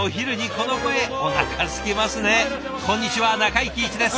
こんにちは中井貴一です。